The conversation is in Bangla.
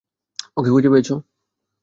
ওকে খুঁজে পেয়েছ?